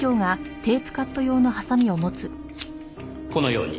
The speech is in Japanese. このように。